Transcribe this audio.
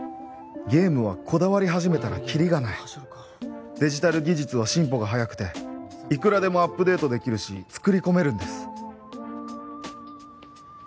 ゲームはこだわり始めたらキリがないデジタル技術は進歩がはやくていくらでもアップデートできるし作り込めるんです